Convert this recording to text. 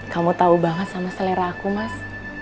kamu tahu banget sama selera aku mas